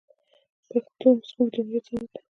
پښتو زموږ د هویت سند دی.